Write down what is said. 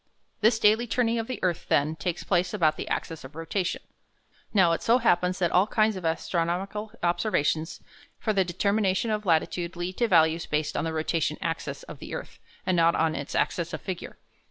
This daily turning of the earth, then, takes place about the axis of rotation. Now, it so happens that all kinds of astronomical observations for the determination of latitude lead to values based on the rotation axis of the earth, and not on its axis of figure.